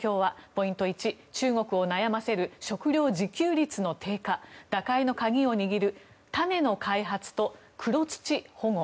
ポイント１中国を悩ませる食料自給率の低下打開のカギを握る種の開発と黒土保護。